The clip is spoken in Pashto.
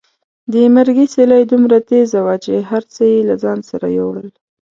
د مرګي سیلۍ دومره تېزه وه چې هر څه یې له ځان سره یوړل.